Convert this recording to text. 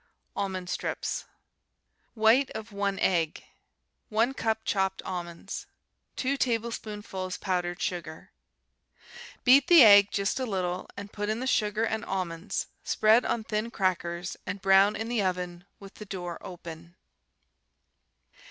Almond Strips White of 1 egg. 1 cup chopped almonds. 2 tablespoonfuls powdered sugar. Beat the egg just a little and put in the sugar and almonds; spread on thin crackers, and brown in the oven with the door open.